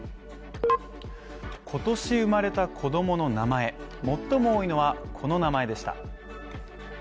今年生まれた子供の名前最も多いのはこの名前でした。